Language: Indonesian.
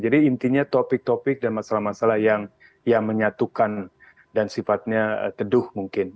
intinya topik topik dan masalah masalah yang menyatukan dan sifatnya teduh mungkin